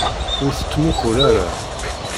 Ur t-ttmuqqul ara!